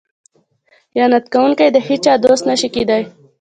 خیانت کوونکی د هیچا دوست نشي کیدی.